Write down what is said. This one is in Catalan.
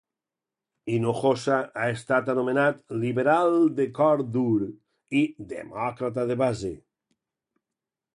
Hinojosa ha estat anomenat "liberal de cor dur" i "demòcrata de base".